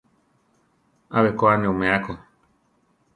Abé ko a ne umea ko.